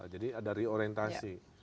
jadi ada reorientasi